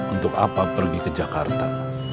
untuk apa pergi ke jakarta